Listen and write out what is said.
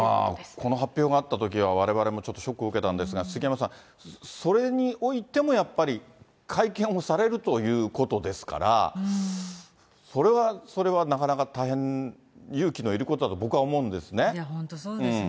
この発表があったときは、われわれもちょっとショックを受けたんですが、杉山さん、それにおいてもやっぱり、会見をされるということですから、それはそれはなかなか大変勇気のいることだと本当、そうですね。